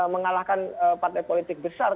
mengalahkan partai politik besar